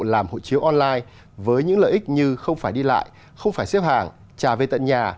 làm hộ chiếu online với những lợi ích như không phải đi lại không phải xếp hàng trả về tận nhà